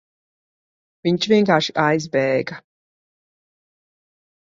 Viņš vienkārši aizbēga.